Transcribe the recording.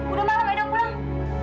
udah malam edo pulang